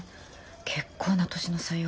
結構な年の差よ。